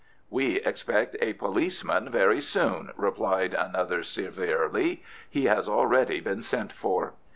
"We expect a policeman very soon," replied another severely. "He has already been sent for."